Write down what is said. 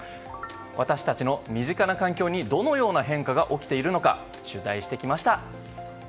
私たちの身近な環境にどのような変化が起きているのか取材してきました。